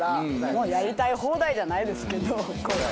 もうやりたい放題じゃないですけど。